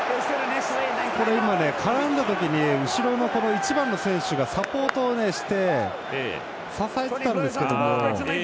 今、絡んだ時に後ろの１番の選手がサポートをして支えていたんですけども。